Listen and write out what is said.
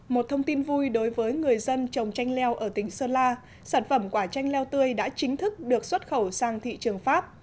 một thông tin vui đối với người dân trồng tranh leo ở tỉnh sơn la sản phẩm quả chanh leo tươi đã chính thức được xuất khẩu sang thị trường pháp